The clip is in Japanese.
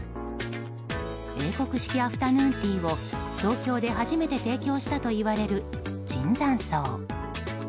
英国式アフタヌーンティーを東京で初めて提供したといわれる椿山荘。